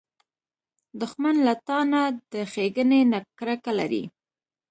دښمن له تا نه، له ښېګڼې نه کرکه لري